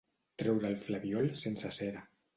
Treure el flabiol sense cera.